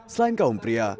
selain kaum pria